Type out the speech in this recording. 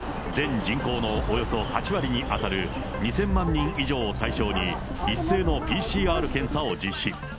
おとといからの２日間、全人口のおよそ８割に当たる２０００万人以上を対象に、一斉のＰＣＲ検査を実施。